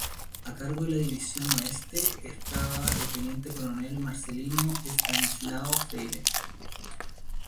A cargo de la división oeste estaba el Teniente Coronel Marcelino Estanislao Freyre.